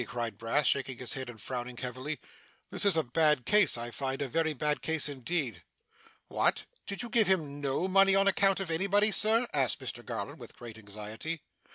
cried Brass, shaking his head and frowning heavily. 'This is a bad case, I find; a very bad case indeed.' 'What! Did you give him no money on account of anybody, Sir?' asked Mr Garland, with great anxiety.